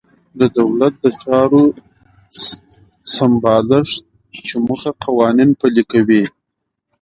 د دولت د چارو سمبالښت په موخه قوانین پلي کوي.